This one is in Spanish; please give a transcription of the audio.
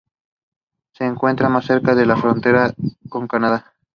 Se encuentra muy cerca de la frontera con Canadá.